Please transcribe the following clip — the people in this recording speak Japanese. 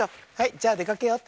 じゃあでかけよう。